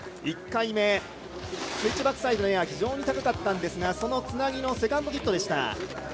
１回目スイッチバックサイドのエア非常に高かったんですがそのつなぎのセカンドヒットでした。